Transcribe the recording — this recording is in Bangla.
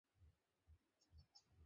আল্লাহ তাঁর খলীলের জন্যে এটি তৈরি করেছেন।